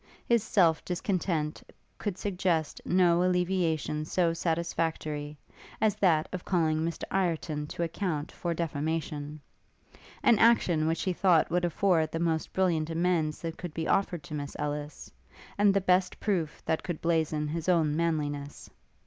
His self discontent could suggest no alleviation so satisfactory, as that of calling Mr Ireton to account for defamation; an action which he thought would afford the most brilliant amends that could be offered to Miss Ellis, and the best proof that could blazon his own manliness.